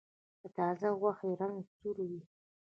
د تازه غوښې رنګ سور وي.